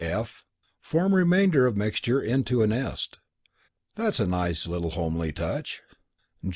(f) Form remainder of mixture into a nest. ("That's a nice little homely touch.")